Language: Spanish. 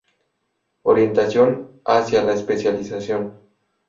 Orientación hacia la especialización.